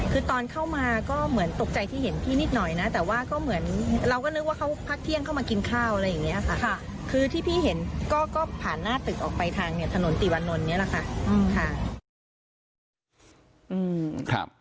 คือตอนเข้ามาก็เหมือนตกใจที่เห็นพี่นิดหน่อยนะแต่ว่าก็เหมือนเราก็นึกว่าเขาพักเที่ยงเข้ามากินข้าวอะไรอย่างนี้ค่ะคือที่พี่เห็นก็ผ่านหน้าตึกออกไปทางเนี่ยถนนติวานนท์เนี่ยแหละค่ะ